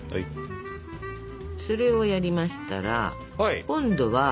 それをやりましたら今度は。